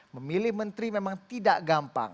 memilih menteri memang tidak gampang